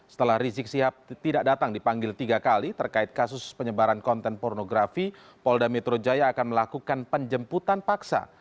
setelah rizik sihab tidak datang dipanggil tiga kali terkait kasus penyebaran konten pornografi polda metro jaya akan melakukan penjemputan paksa